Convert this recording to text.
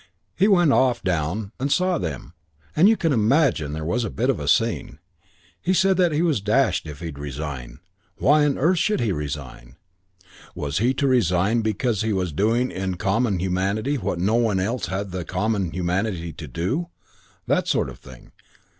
He went off down and saw them, and you can imagine there was a bit of a scene. He said he was dashed if he'd resign. Why on earth should he resign? Was he to resign because he was doing in common humanity what no one else had the common humanity to do? That sort of thing.